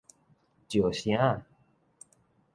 石城仔